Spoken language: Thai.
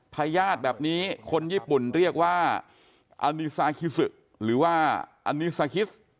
พญาติแบบนี้คนญี่ปุ่นเรียกว่าอนิซาคิสุหรือว่าอันนี้ซาคิส